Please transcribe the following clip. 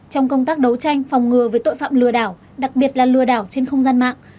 trong công tác đấu tranh phòng ngừa với tội phạm lừa đảo đặc biệt là lừa đảo trên không gian mạng